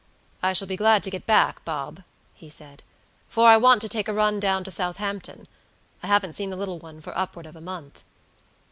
"I shall be glad to get back, Bob," he said, "for I want to take a run down to Southampton; I haven't seen the little one for upward of a month."